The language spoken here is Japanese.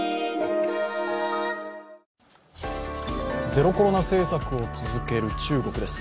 ゼロコロナ政策を続ける中国です。